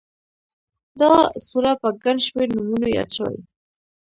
دا سوره په گڼ شمېر نومونو ياده شوې